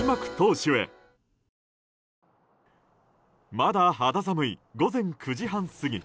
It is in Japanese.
まだ肌寒い午前９時半過ぎ。